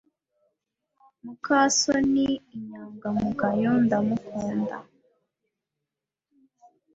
muka soni ni inyangamugayo, ndamukunda.